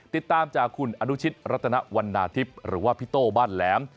ติดตามจากคุณอนุชิตรัตนวันนาทิพย์หรือว่าพี่โต้บ้านแหลม